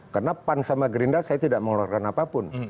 karena pan sama gerindra saya tidak mengeluarkan apapun